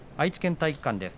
愛知県体育館です。